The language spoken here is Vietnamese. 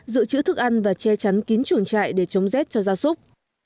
giữ chữ thức ăn và che chắn kín chuồng chạy để chống z cho gia súc